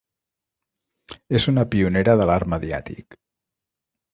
És una pionera de l'art mediàtic.